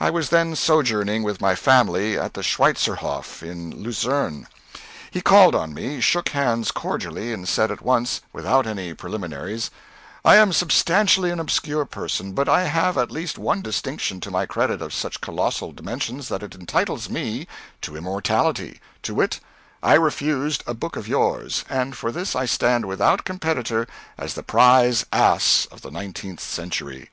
I was then sojourning with my family at the Schweitzerhof, in Luzerne. He called on me, shook hands cordially, and said at once, without any preliminaries, "I am substantially an obscure person, but I have at least one distinction to my credit of such colossal dimensions that it entitles me to immortality to wit: I refused a book of yours, and for this I stand without competitor as the prize ass of the nineteenth century."